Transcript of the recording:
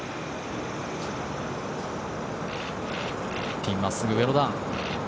ピン、真っすぐ上の段。